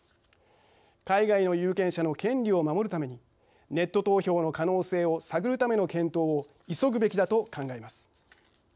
海外の有権者の権利を守るためにネット投票の可能性を探るための検討を急ぐべきだと考えます。